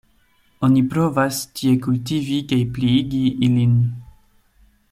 Oni provas tie kultivi kaj pliigi ilin.